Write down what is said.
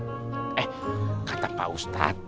eh kata pak ustad